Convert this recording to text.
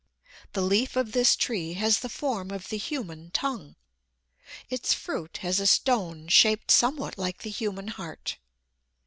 The leaf of this tree has the form of the human tongue. Its fruit has a stone shaped somewhat like the human heart.